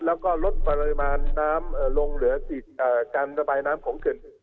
แล้วก็ลดปริมาณน้ำลงเหลือติดการระบายน้ำของเขื่อน